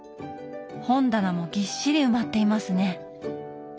本棚もぎっしり埋まっていますね。